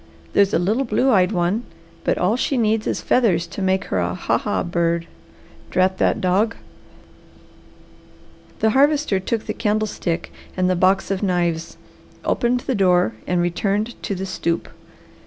There's a little blue eyed one, but all she needs is feathers to make her a 'ha! ha! bird.' Drat that dog!" The Harvester took the candlestick and the box of knives, opened the door, and returned to the stoop.